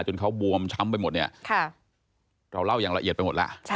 จนเขาบวมช้ำไปหมดเนี่ยเราเล่าอย่างละเอียดไปหมดแล้ว